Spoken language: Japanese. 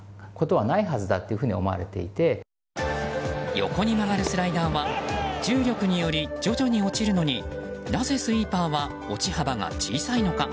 横に曲がるスライダーは重力により徐々に落ちるのになぜスイーパーは落ち幅が小さいのか。